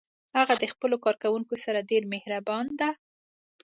هغه د خپلو کارکوونکو سره ډیر مهربان ده